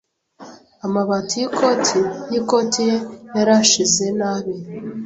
Amabati yikoti yikoti ye yarashize nabi.